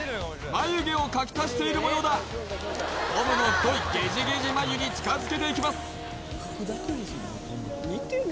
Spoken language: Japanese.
眉毛を描き足しているもようだトムの太いゲジゲジ眉に近づけていきます